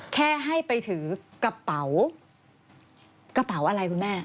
แค่ให้ไปถือกระเป๋ากระเป๋าอะไรคุณแม่